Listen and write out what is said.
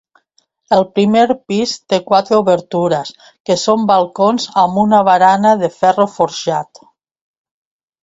El primer pis té quatre obertures que són balcons amb una barana de ferro forjat.